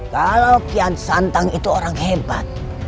kalau kian santang itu orang hebat